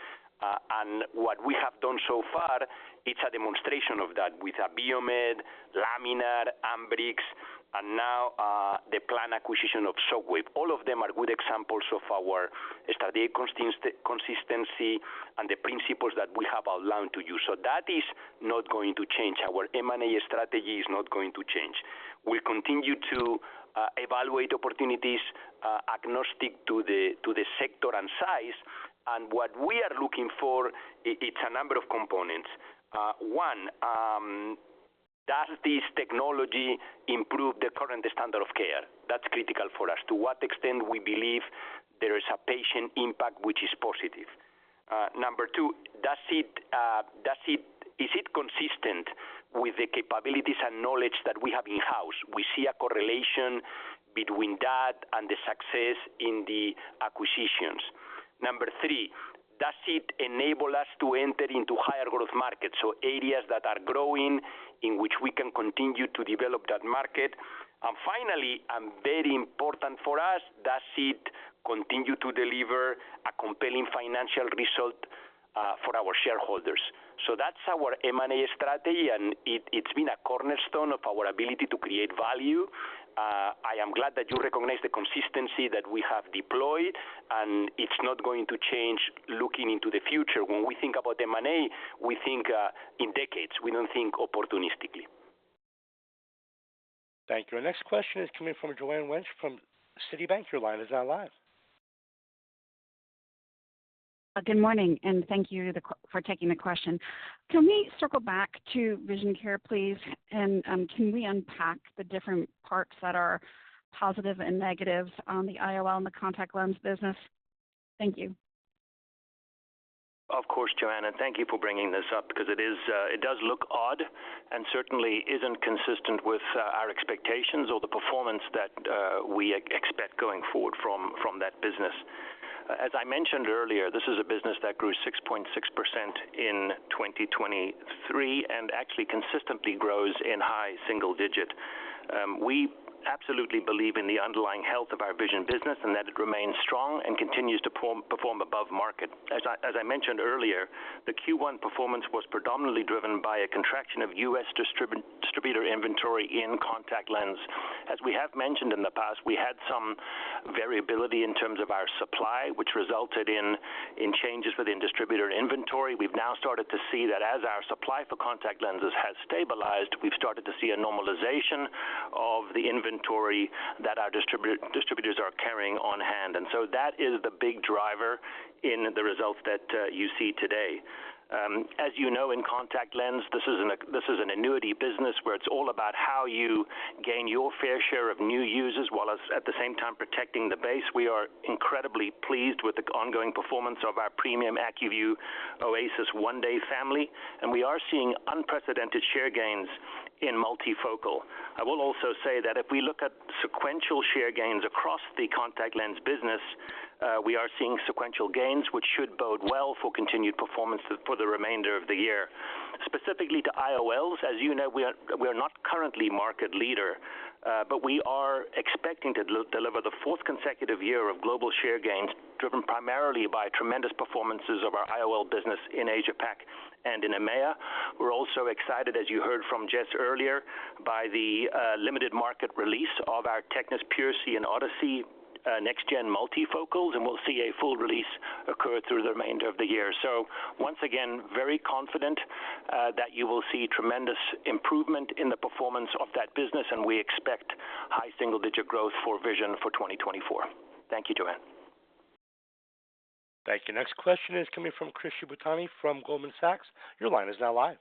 And what we have done so far, it's a demonstration of that with Abiomed, Laminar, Ambrx, and now the planned acquisition of Shockwave. All of them are good examples of our strategic consistency and the principles that we have outlined to you. So that is not going to change. Our M&A strategy is not going to change. We continue to evaluate opportunities, agnostic to the sector and size, and what we are looking for, it's a number of components. One, does this technology improve the current standard of care? That's critical for us. To what extent we believe there is a patient impact, which is positive. Number two, does it is it consistent with the capabilities and knowledge that we have in-house? We see a correlation between that and the success in the acquisitions. Number three, does it enable us to enter into higher growth markets, so areas that are growing, in which we can continue to develop that market? And finally, and very important for us, does it continue to deliver a compelling financial result, for our shareholders? That's our M&A strategy, and it's been a cornerstone of our ability to create value. I am glad that you recognize the consistency that we have deployed, and it's not going to change looking into the future. When we think about M&A, we think in decades, we don't think opportunistically. Thank you. Our next question is coming from Joanne Wuensch from Citibank. Your line is now live. Good morning, and thank you to the... for taking the question. Can we circle back to vision care, please? And can we unpack the different parts that are positive and negatives on the IOL and the contact lens business? Thank you. Of course, Joanne, and thank you for bringing this up, because it is, it does look odd and certainly isn't consistent with our expectations or the performance that we expect going forward from that business. As I mentioned earlier, this is a business that grew 6.6% in 2023 and actually consistently grows in high single digit. We absolutely believe in the underlying health of our vision business and that it remains strong and continues to perform above market. As I mentioned earlier, the Q1 performance was predominantly driven by a contraction of US distributor inventory in contact lens. As we have mentioned in the past, we had some variability in terms of our supply, which resulted in changes within distributor inventory. We've now started to see that as our supply for contact lenses has stabilized, we've started to see a normalization of the inventory that our distributors are carrying on hand. And so that is the big driver in the results that you see today. As you know, in contact lens, this is an annuity business, where it's all about how you gain your fair share of new users, while at the same time protecting the base. We are incredibly pleased with the ongoing performance of our premium ACUVUE OASYS 1-Day family, and we are seeing unprecedented share gains in multifocal. I will also say that if we look at sequential share gains across the contact lens business, we are seeing sequential gains, which should bode well for continued performance for the remainder of the year. Specifically to IOLs, as you know, we are not currently market leader, but we are expecting to deliver the fourth consecutive year of global share gains, driven primarily by tremendous performances of our IOL business in Asia-Pac and in EMEA. We're also excited, as you heard from Jess earlier, by the limited market release of our TECNIS PureSee and Odyssey, next-gen multifocals, and we'll see a full release occur through the remainder of the year. So once again, very confident that you will see tremendous improvement in the performance of that business, and we expect high single-digit growth for Vision for 2024. Thank you, Joanne. Thank you. Next question is coming from Chris Shibutani from Goldman Sachs. Your line is now live.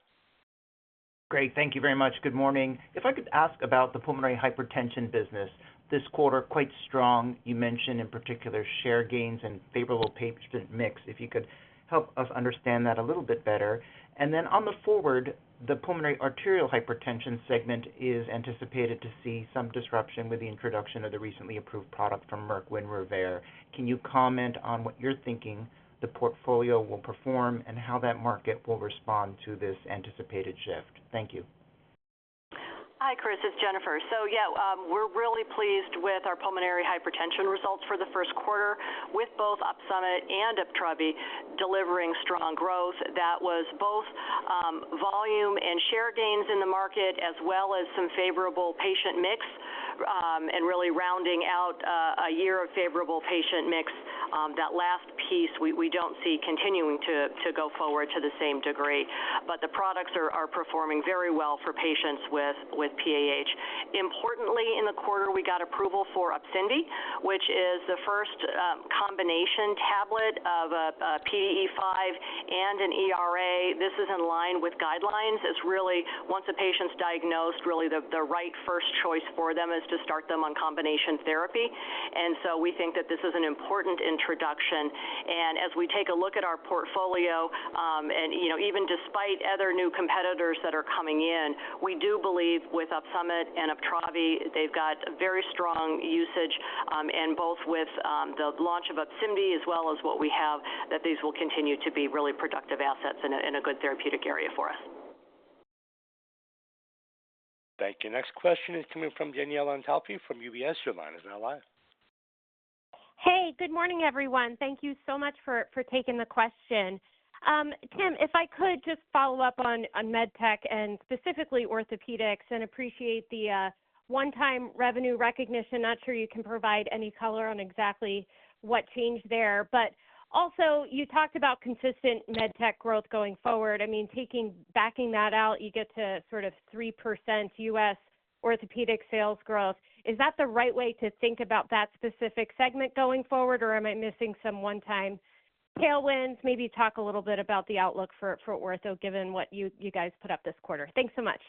Great, thank you very much. Good morning. If I could ask about the pulmonary hypertension business. This quarter, quite strong. You mentioned in particular, share gains and favorable patient mix. If you could help us understand that a little bit better. And then on the forward, the pulmonary arterial hypertension segment is anticipated to see some disruption with the introduction of the recently approved product from Merck, Winrevair. Can you comment on what you're thinking the portfolio will perform, and how that market will respond to this anticipated shift? Thank you. Hi, Chris. It's Jennifer. So yeah, we're really pleased with our pulmonary hypertension results for the first quarter, with both OPSUMIT and UPTRAVI delivering strong growth. That was both volume and share gains in the market, as well as some favorable patient mix, and really rounding out a year of favorable patient mix. That last piece, we don't see continuing to go forward to the same degree, but the products are performing very well for patients with PAH. Importantly, in the quarter, we got approval for OPSYNVI, which is the first combination tablet of a PDE5 and an ERA. This is in line with guidelines. It's really, once a patient's diagnosed, really the right first choice for them is to start them on combination therapy. And so we think that this is an important introduction. And as we take a look at our portfolio, you know, even despite other new competitors that are coming in, we do believe with OPSUMIT and UPTRAVI, they've got very strong usage, and both with the launch of OPSYNVI as well as what we have, that these will continue to be really productive assets in a good therapeutic area for us. Thank you. Next question is coming from Danielle Antalffy from UBS. Your line is now live. Hey, good morning, everyone. Thank you so much for taking the question. Tim, if I could just follow up on med tech and specifically orthopedics, and appreciate the one-time revenue recognition. Not sure you can provide any color on exactly what changed there. But also, you talked about consistent med tech growth going forward. I mean, taking backing that out, you get to sort of 3% US orthopedic sales growth. Is that the right way to think about that specific segment going forward, or am I missing some one-time tailwinds? Maybe talk a little bit about the outlook for ortho, given what you guys put up this quarter. Thanks so much.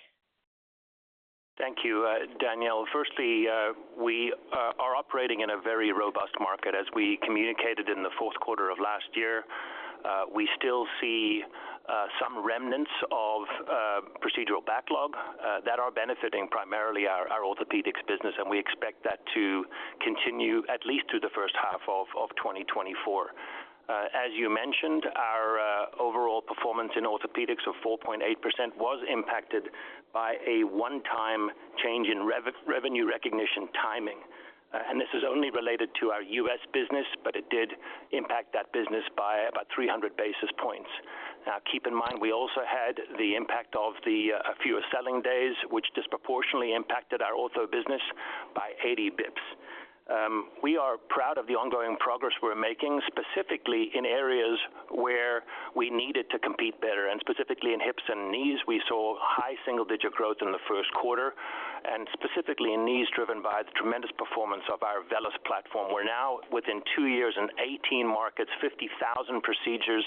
Thank you, Danielle. Firstly, we are operating in a very robust market. As we communicated in the fourth quarter of last year, we still see some remnants of procedural backlog that are benefiting primarily our orthopedics business, and we expect that to continue at least through the first half of 2024. As you mentioned, our overall performance in orthopedics of 4.8% was impacted by a one-time change in revenue recognition timing. And this is only related to our U.S. business, but it did impact that business by about 300 basis points. Now, keep in mind, we also had the impact of the fewer selling days, which disproportionately impacted our ortho business by 80 basis points. We are proud of the ongoing progress we're making, specifically in areas where we needed to compete better. Specifically in hips and knees, we saw high single-digit growth in the first quarter, and specifically in knees, driven by the tremendous performance of our VELYS platform. We're now within 2 years in 18 markets, 50,000 procedures,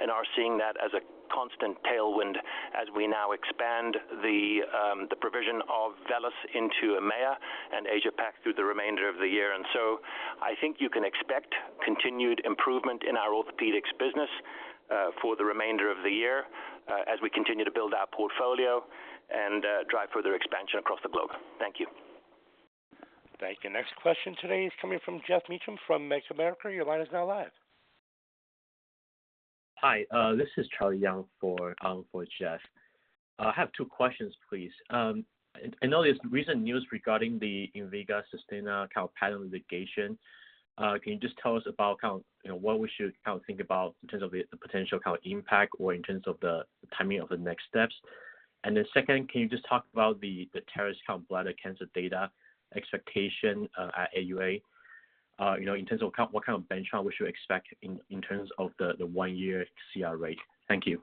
and are seeing that as a constant tailwind as we now expand the provision of VELYS into EMEA and Asia-Pac through the remainder of the year. And so I think you can expect continued improvement in our orthopedics business for the remainder of the year as we continue to build our portfolio and drive further expansion across the globe. Thank you. Thank you. Next question today is coming from Geoff Meacham from Bank of America. Your line is now live. Hi, this is Charlie Yang for, for Geoff. I have two questions, please. I know there's recent news regarding the INVEGA SUSTENNA, patent litigation. Can you just tell us about kind of, you know, what we should kind of think about in terms of the, the potential kind of impact or in terms of the timing of the next steps? And then second, can you just talk about the, the TAR-200 bladder cancer data expectation, at AUA? You know, in terms of kind-- what kind of benchmark we should expect in, in terms of the, the one-year CR rate. Thank you.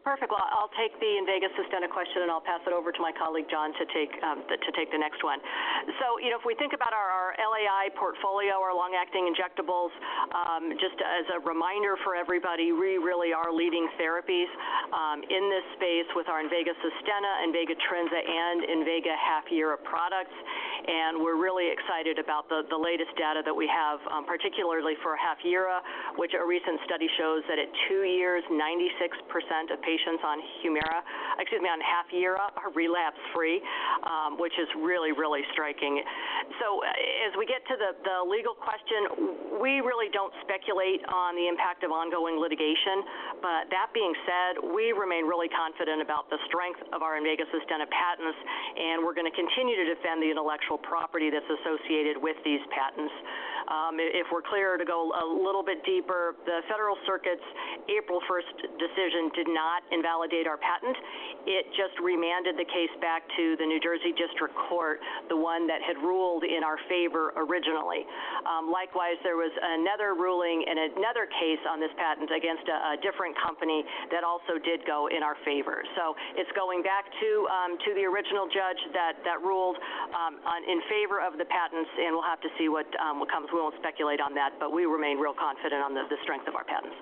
Perfect. Well, I'll take the INVEGA SUSTENNA question, and I'll pass it over to my colleague, John, to take, to take the next one. So, you know, if we think about our LAI portfolio, our long-acting injectables, just as a reminder for everybody, we really are leading therapies.... in this space with our INVEGA SUSTENNA, INVEGA TRINZA, and INVEGA HAFYERA products. And we're really excited about the latest data that we have, particularly for HAFYERA, which a recent study shows that at 2 years, 96% of patients on Humira, excuse me, on HAFYERA, are relapse-free, which is really, really striking. So as we get to the legal question, we really don't speculate on the impact of ongoing litigation. But that being said, we remain really confident about the strength of our INVEGA SUSTENNA patents, and we're gonna continue to defend the intellectual property that's associated with these patents. If we're clear to go a little bit deeper, the Federal Circuit's April 1st decision did not invalidate our patent. It just remanded the case back to the New Jersey District Court, the one that had ruled in our favor originally. Likewise, there was another ruling in another case on this patent against a different company that also did go in our favor. So it's going back to the original judge that ruled in favor of the patents, and we'll have to see what comes. We won't speculate on that, but we remain real confident on the strength of our patents.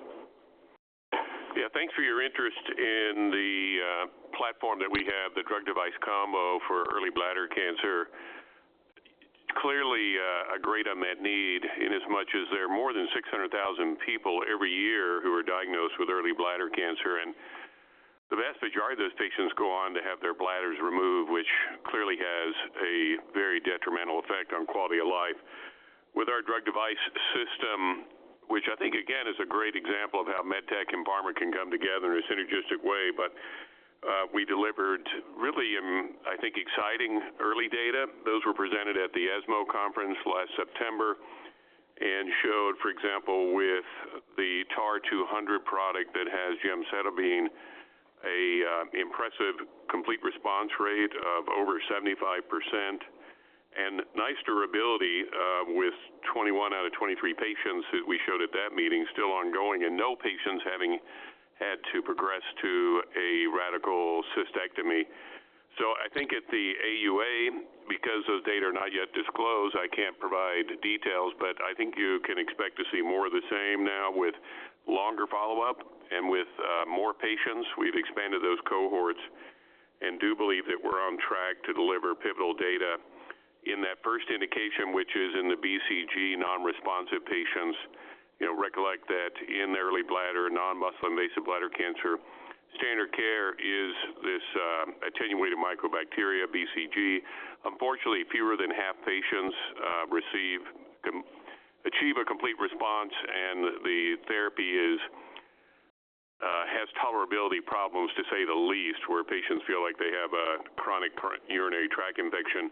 Yeah, thanks for your interest in the platform that we have, the drug device combo for early bladder cancer. Clearly, a great unmet need in as much as there are more than 600,000 people every year who are diagnosed with early bladder cancer, and the vast majority of those patients go on to have their bladders removed, which clearly has a very detrimental effect on quality of life. With our drug device system, which I think, again, is a great example of how med tech and pharma can come together in a synergistic way, but we delivered really, I think, exciting early data. Those were presented at the ESMO conference last September and showed, for example, with the TAR-200 product that has gemcitabine, an impressive complete response rate of over 75%, and nice durability, with 21 out of 23 patients who we showed at that meeting still ongoing, and no patients having had to progress to a radical cystectomy. So I think at the AUA, because those data are not yet disclosed, I can't provide details, but I think you can expect to see more of the same now with longer follow-up and with more patients. We've expanded those cohorts and do believe that we're on track to deliver pivotal data in that first indication, which is in the BCG non-responsive patients. You know, recollect that in early bladder, non-muscle invasive bladder cancer, standard care is this attenuated mycobacteria, BCG. Unfortunately, fewer than half patients receive achieve a complete response, and the therapy is has tolerability problems, to say the least, where patients feel like they have a chronic current urinary tract infection.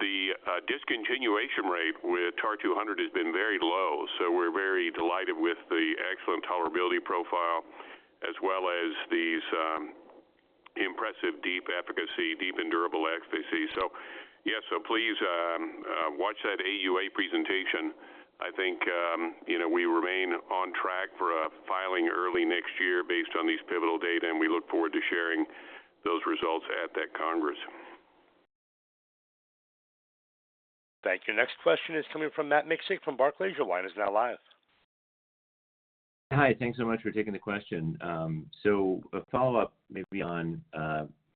The discontinuation rate with TAR-200 has been very low, so we're very delighted with the excellent tolerability profile as well as these impressive deep efficacy, deep and durable efficacy. So, yes, so please watch that AUA presentation. I think you know, we remain on track for a filing early next year based on these pivotal data, and we look forward to sharing those results at that congress. Thank you. Next question is coming from Matt Miksic from Barclays. Your line is now live. Hi, thanks so much for taking the question. So a follow-up maybe on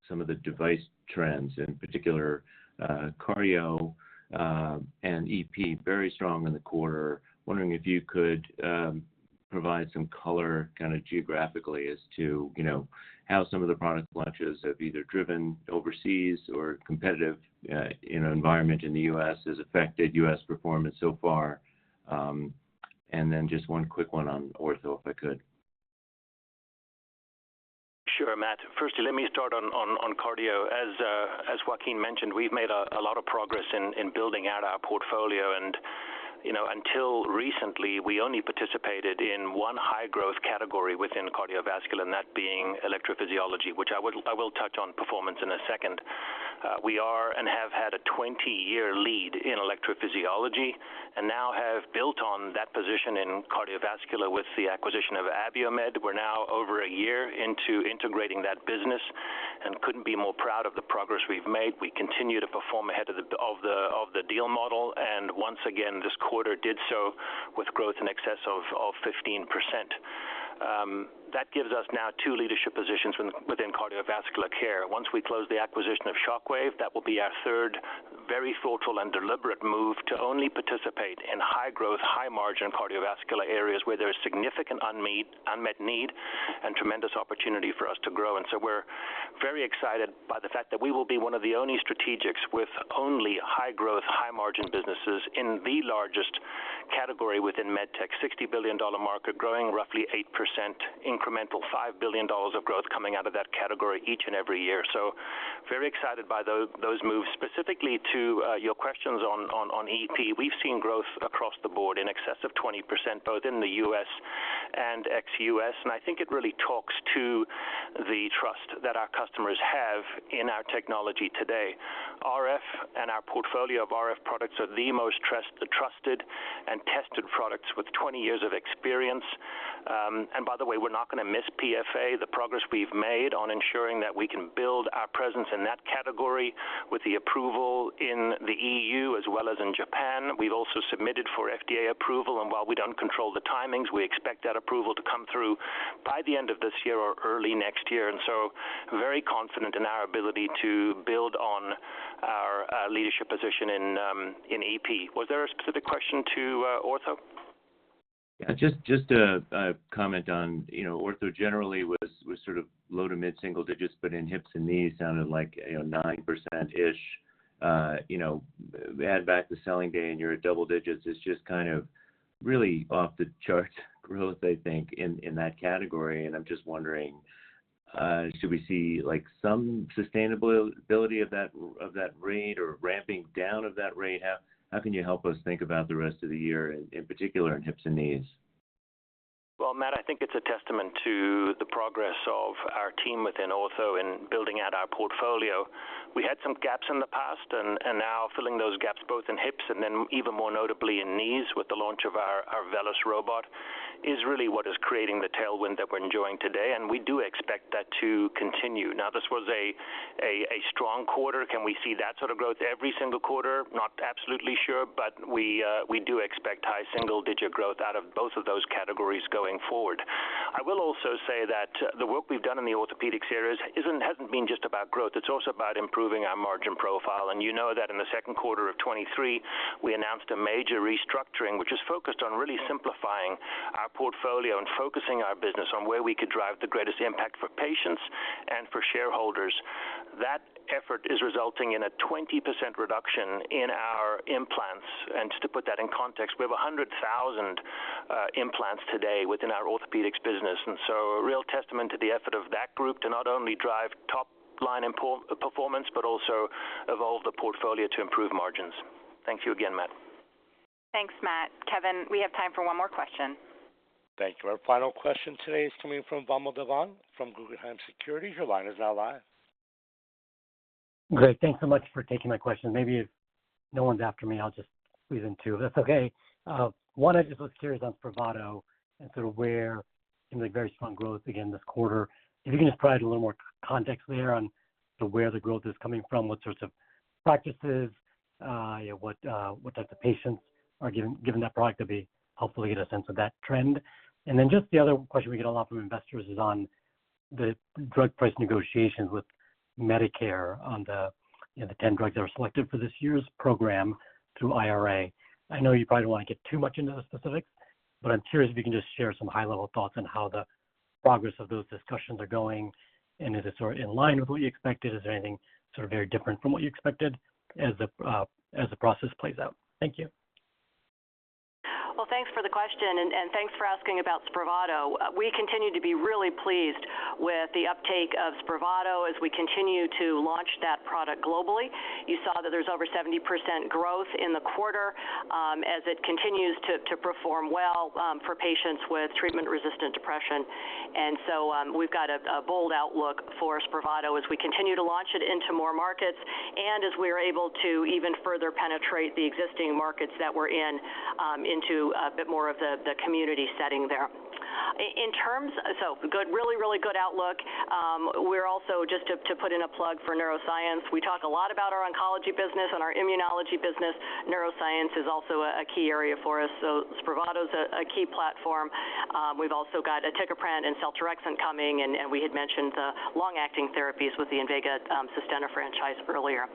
some of the device trends, in particular, cardio and EP, very strong in the quarter. Wondering if you could provide some color kind of geographically as to, you know, how some of the product launches have either driven overseas or competitive, you know, environment in the U.S. has affected U.S. performance so far? And then just one quick one on ortho, if I could. Sure, Matt. Firstly, let me start on cardio. As Joaquin mentioned, we've made a lot of progress in building out our portfolio, and, you know, until recently, we only participated in one high-growth category within cardiovascular, and that being electrophysiology, which I will touch on performance in a second. We are and have had a 20-year lead in electrophysiology and now have built on that position in cardiovascular with the acquisition of Abiomed. We're now over a year into integrating that business and couldn't be more proud of the progress we've made. We continue to perform ahead of the deal model, and once again, this quarter did so with growth in excess of 15%. That gives us now two leadership positions within cardiovascular care. Once we close the acquisition of Shockwave, that will be our third very thoughtful and deliberate move to only participate in high-growth, high-margin cardiovascular areas where there is significant unmet need and tremendous opportunity for us to grow. And so we're very excited by the fact that we will be one of the only strategics with only high-growth, high-margin businesses in the largest category within med tech, $60 billion market, growing roughly 8%, incremental $5 billion of growth coming out of that category each and every year. So very excited by those moves. Specifically to your questions on EP, we've seen growth across the board in excess of 20%, both in the US and ex-US, and I think it really talks to the trust that our customers have in our technology today. RF and our portfolio of RF products are the most trusted and tested products with 20 years of experience. And by the way, we're not going to miss PFA, the progress we've made on ensuring that we can build our presence in that category with the approval in the EU as well as in Japan. We've also submitted for FDA approval, and while we don't control the timings, we expect that approval to come through by the end of this year or early next year, and so very confident in our ability to build on leadership position in AP. Was there a specific question to ortho? Yeah, just a comment on, you know, ortho generally was sort of low to mid-single digits, but in hips and knees, sounded like, you know, 9%-ish. You know, add back the selling day and you're at double digits. It's just kind of really off the charts growth, I think, in that category, and I'm just wondering, should we see, like, some sustainability of that, of that rate or ramping down of that rate? How can you help us think about the rest of the year, in particular in hips and knees? Well, Matt, I think it's a testament to the progress of our team within ortho in building out our portfolio. We had some gaps in the past, and now filling those gaps, both in hips and then even more notably in knees, with the launch of our VELYS robot, is really what is creating the tailwind that we're enjoying today, and we do expect that to continue. Now, this was a strong quarter. Can we see that sort of growth every single quarter? Not absolutely sure, but we do expect high single-digit growth out of both of those categories going forward. I will also say that the work we've done in the orthopedics area hasn't been just about growth. It's also about improving our margin profile. You know that in the second quarter of 2023, we announced a major restructuring, which is focused on really simplifying our portfolio and focusing our business on where we could drive the greatest impact for patients and for shareholders. That effort is resulting in a 20% reduction in our implants. And just to put that in context, we have 100,000 implants today within our orthopedics business, and so a real testament to the effort of that group to not only drive top-line performance, but also evolve the portfolio to improve margins. Thank you again, Matt. Thanks, Matt. Kevin, we have time for one more question. Thank you. Our final question today is coming from Vamil Divan from Guggenheim Securities. Your line is now live. Great, thanks so much for taking my question. Maybe if no one's after me, I'll just squeeze in two, if that's okay. One, I'm just was curious on SPRAVATO and sort of where, you know, like, very strong growth again this quarter. If you can just provide a little more context there on where the growth is coming from, what sorts of practices, you know, what types of patients are given that product to hopefully get a sense of that trend. And then just the other question we get a lot from investors is on the drug price negotiations with Medicare, on the, you know, the 10 drugs that were selected for this year's program through IRA. I know you probably don't want to get too much into the specifics, but I'm curious if you can just share some high-level thoughts on how the progress of those discussions are going, and is it sort of in line with what you expected? Is there anything sort of very different from what you expected as the, as the process plays out? Thank you. Well, thanks for the question, and thanks for asking about Spravato. We continue to be really pleased with the uptake of Spravato as we continue to launch that product globally. You saw that there's over 70% growth in the quarter, as it continues to perform well for patients with treatment-resistant depression. And so, we've got a bold outlook for Spravato as we continue to launch it into more markets and as we're able to even further penetrate the existing markets that we're in, into a bit more of the community setting there. So good, really, really good outlook. We're also, just to put in a plug for neuroscience, we talk a lot about our oncology business and our immunology business. Neuroscience is also a key area for us, so Spravato's a key platform. We've also got aticaprant and seltorexant coming, and we had mentioned the long-acting therapies with the INVEGA SUSTENNA franchise earlier.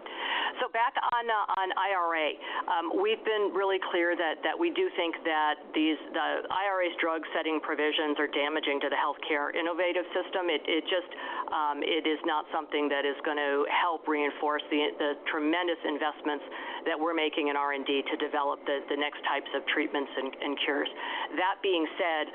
So back on IRA. We've been really clear that we do think that these—the IRA's drug-setting provisions are damaging to the healthcare innovative system. It just is not something that is going to help reinforce the tremendous investments that we're making in R&D to develop the next types of treatments and cures. That being said,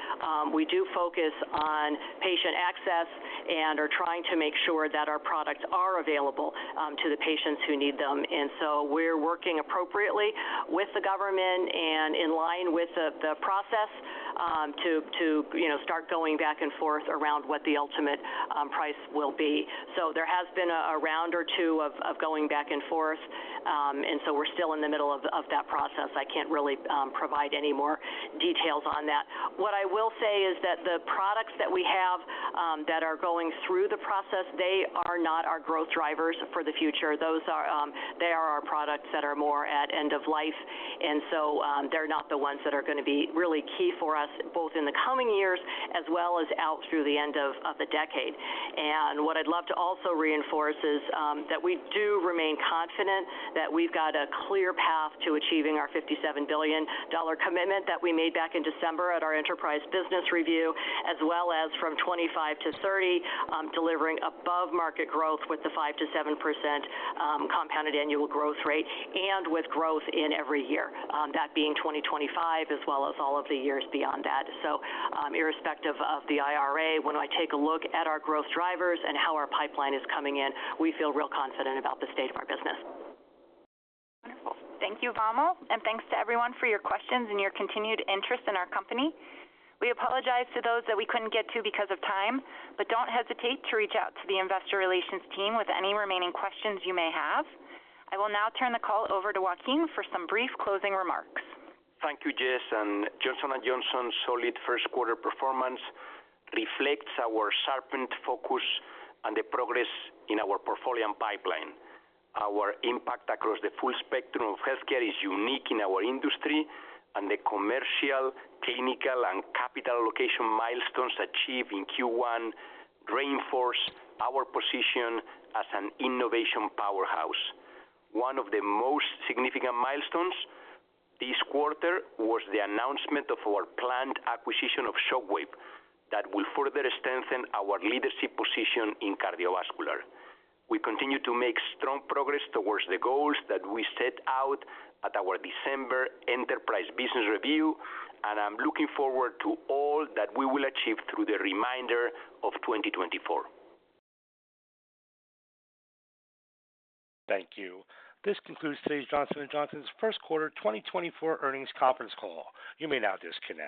we do focus on patient access and are trying to make sure that our products are available to the patients who need them. And so we're working appropriately with the government and in line with the process to you know start going back and forth around what the ultimate price will be. So there has been a round or two of going back and forth, and so we're still in the middle of that process. I can't really provide any more details on that. What I will say is that the products that we have that are going through the process, they are not our growth drivers for the future. Those are they are our products that are more at end of life, and so they're not the ones that are gonna be really key for us, both in the coming years as well as out through the end of the decade. What I'd love to also reinforce is that we do remain confident that we've got a clear path to achieving our $57 billion commitment that we made back in December at our enterprise business review, as well as from 2025 to 2030, delivering above-market growth with the 5%-7% compounded annual growth rate and with growth in every year that being 2025, as well as all of the years beyond that. So, irrespective of the IRA, when I take a look at our growth drivers and how our pipeline is coming in, we feel real confident about the state of our business. Wonderful. Thank you, Vamil, and thanks to everyone for your questions and your continued interest in our company. We apologize to those that we couldn't get to because of time, but don't hesitate to reach out to the investor relations team with any remaining questions you may have. I will now turn the call over to Joaquin for some brief closing remarks. Thank you, Jessica, and Johnson & Johnson's solid first quarter performance reflects our sharpened focus and the progress in our portfolio and pipeline. Our impact across the full spectrum of healthcare is unique in our industry, and the commercial, clinical, and capital allocation milestones achieved in Q1 reinforce our position as an innovation powerhouse. One of the most significant milestones this quarter was the announcement of our planned acquisition of Shockwave that will further strengthen our leadership position in cardiovascular. We continue to make strong progress towards the goals that we set out at our December enterprise business review, and I'm looking forward to all that we will achieve through the remainder of 2024. Thank you. This concludes today's Johnson & Johnson's first quarter 2024 earnings conference call. You may now disconnect.